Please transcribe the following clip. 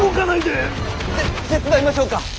て手伝いましょうか。